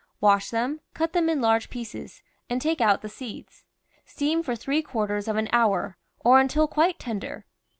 Wash them, cut them in large pieces, and take out the seeds. Steam for three quarters of an hour, or until quite tender.